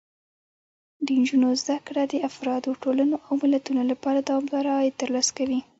د نجونو زده کړه د افرادو، ټولنو او ملتونو لپاره دوامداره عاید ترلاسه کوي.